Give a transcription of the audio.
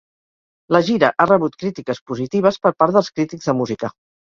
La gira ha rebut crítiques positives per part dels crítics de música.